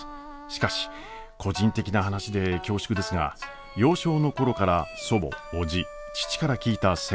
しかし個人的な話で恐縮ですが幼少の頃から祖母叔父父から聞いた戦後沖縄の実体験。